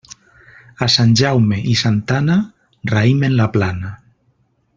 A Sant Jaume i Santa Anna, raïm en la plana.